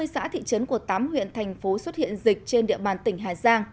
hai mươi xã thị trấn của tám huyện thành phố xuất hiện dịch trên địa bàn tỉnh hà giang